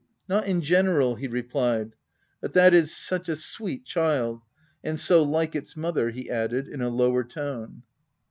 " Not in general/' he replied ;" but that is such a sweet child — and so like its mother, " he added in a lower tone.